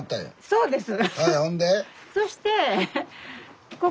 そうです。